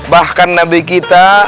bahkan nabi kita